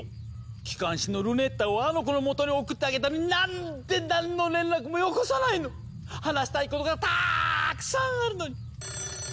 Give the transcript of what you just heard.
機関士のルネッタをあの子のもとに送ってあげたのになんで何の連絡もよこさないの⁉話したいことがたくさんあるのに！